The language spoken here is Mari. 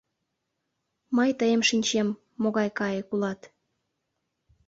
Мый тыйым шинчем, могай кайык улат...